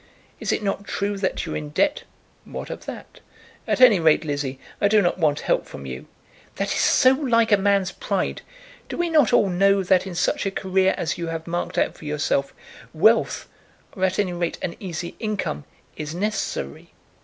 Is it not true that you are in debt?" "What of that? At any rate, Lizzie, I do not want help from you." "That is so like a man's pride! Do we not all know that in such a career as you have marked out for yourself, wealth, or at any rate an easy income, is necessary?